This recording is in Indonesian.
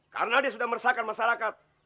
karena dia sudah meresahkan masyarakat